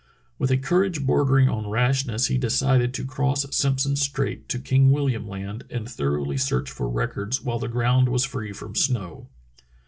With a courage bordering on rashness he decided to cross Simpson Strait to King WiUiam Land and thoroughly search for records while the ground was free from snow.